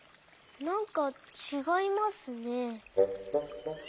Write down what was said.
なんかちがいますね。